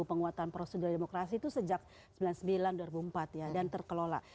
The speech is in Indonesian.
penguatan prosedural demokrasi itu sejak sembilan puluh sembilan dua ribu empat dan terkelola